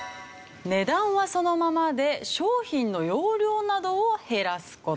値段はそのままで商品の容量などを減らす事。